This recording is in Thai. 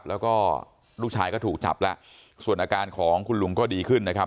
แล้วก็ลูกชายก็ถูกจับแล้วส่วนอาการของคุณลุงก็ดีขึ้นนะครับ